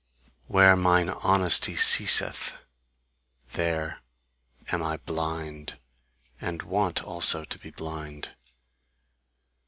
Where mine honesty ceaseth, there am I blind, and want also to be blind.